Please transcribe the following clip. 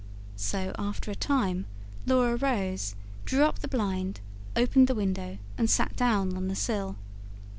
So after a time Laura rose, drew up the blind, opened the window and sat down on the sill.